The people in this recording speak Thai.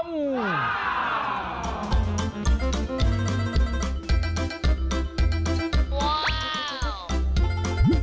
ว้าว